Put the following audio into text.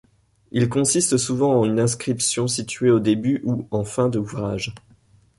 Il consiste souvent en une inscription située en début ou en fin d'ouvrage.